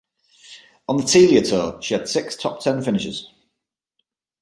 On the Telia tour she had six top ten finishes.